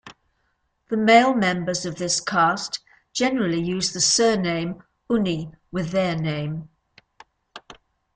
The male members of this caste generally use the surname Unni with their name.